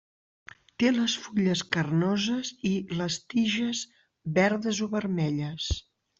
Té les fulles carnoses i les tiges verdes o vermelles.